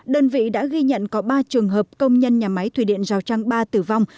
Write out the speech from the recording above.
đơn vị đã ghi nhận có ba trường hợp công nhân nhà máy thủy điện rào trang ba tử vong